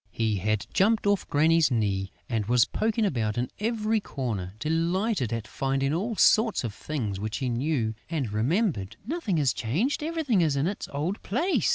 He had jumped off Granny's knees and was poking about in every corner, delighted at finding all sorts of things which he knew and remembered: "Nothing is changed, everything is in its old place!"